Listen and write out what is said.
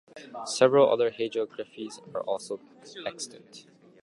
Several other hagiographies are also extant.